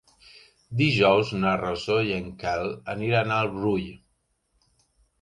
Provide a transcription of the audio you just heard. Dijous na Rosó i en Quel aniran al Brull.